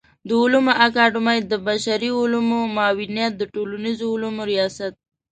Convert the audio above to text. د علومو اکاډمۍ د بشري علومو معاونيت د ټولنيزو علومو ریاست